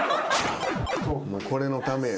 これのためや。